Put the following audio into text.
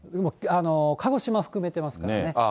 鹿児島含めてますからね。